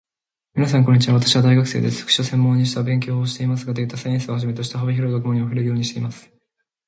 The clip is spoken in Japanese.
みなさん、こんにちは。私は大学生です。福祉を専門に勉強していますが、データサイエンスをはじめとした幅広い学問にも触れるようにしています。